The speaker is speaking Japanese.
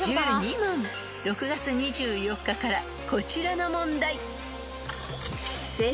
［６月２４日からこちらの問題］